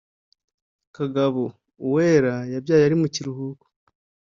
kagabo: uwera yabyaye, ari mu kiruhuko.